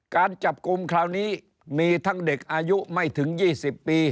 การจับกลุ่มคราวนี้มีทั้งเด็กอายุไม่ถึง๒๐ปี